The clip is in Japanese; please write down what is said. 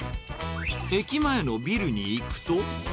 駅前のビルに行くと。